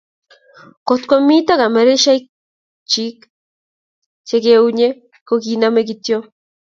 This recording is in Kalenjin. Kotko mito Kameraishek che keunye ko kinamei kityo